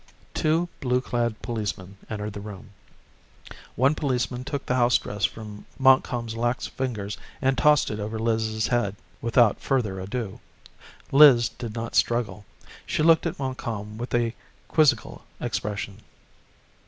Two blue clad policemen entered the room. One policeman took the house dress from Montcalm's lax fingers and tossed it over Liz' head without further ado. Liz did not struggle. She looked at Montcalm with a quizzical expression.